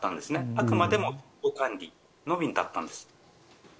あくまでも自己管理のみだったんです。